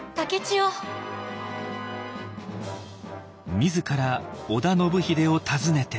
自ら織田信秀を訪ねて。